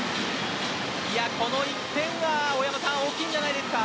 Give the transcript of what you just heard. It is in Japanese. この１点は大山さん大きいんじゃないんですか。